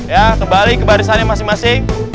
ya kembali ke barisannya masing masing